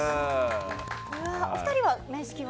お二人は面識は？